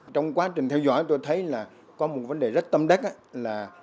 trong quá trình theo dõi tôi thấy là có một vấn đề rất tâm đắc là